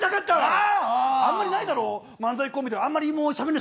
あんまりないだろ。